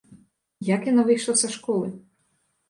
Як яна выйшла са школы?